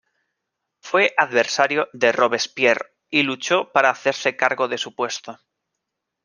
Fue adversario de Robespierre, y luchó para hacerse cargo de su puesto.